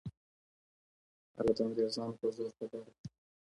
هغه د انګریزانو په زور خبر وو.